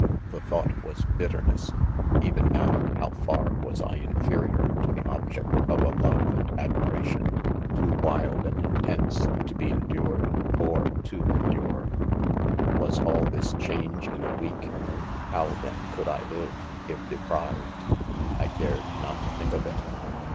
' The thought was bitterness I — even now, how far was I inferior to the object ©fa THE CONFESSIONS. Ill love and admiration, too wild and intense to be endured or to endure ■% Was all this change in a week 1 — how then could I live, if deprived .... I dared not think of it